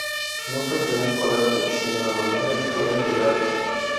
No pertenezco al arte, sino a la mera historia del arte.